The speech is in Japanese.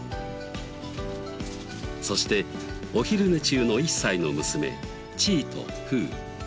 そしてお昼寝中の１歳の娘チーとフー。